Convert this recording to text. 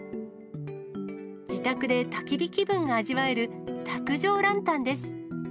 自宅でたき火気分が味わえる、卓上ランタンです。